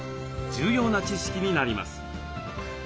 重要な知識になります。